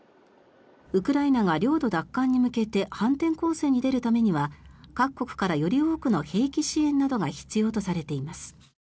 ウクライナが領土奪還に向けて反転攻勢に出るためには各国からより多くの兵器支援などが必要とされています。